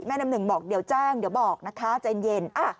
น้ำหนึ่งบอกเดี๋ยวแจ้งเดี๋ยวบอกนะคะใจเย็น